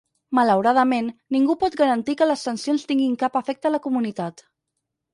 Malauradament, ningú pot garantir que les sancions tinguin cap efecte a la comunitat.